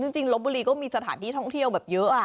จริงลบบุรีก็มีสถานที่ท่องเที่ยวแบบเยอะ